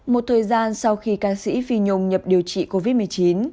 một thời gian sau khi ca sĩ phi nhung nhập điều trị covid một mươi chín